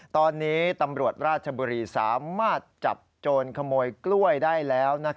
ตอนนี้ตำรวจราชบุรีสามารถจับโจรขโมยกล้วยได้แล้ว